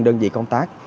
đơn vị công tác